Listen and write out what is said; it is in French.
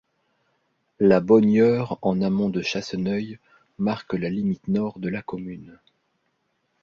La Bonnieure en amont de Chasseneuil marque la limite nord de la commune.